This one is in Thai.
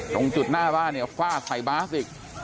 ตรงจุดหน้าบ้านเนี่ยฟาดใส่บาสอีก